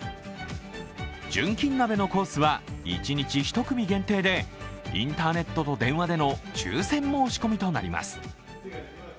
純金鍋のコースは一日１組限定で、インターネットと電話での抽選申し込みとなります。